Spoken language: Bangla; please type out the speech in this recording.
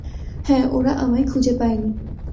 হ্যাঁ, ওরা আমায় খুঁজে পায়নি।